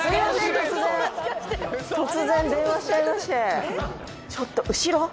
突然電話しちゃいまして。